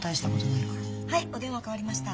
はいお電話代わりました。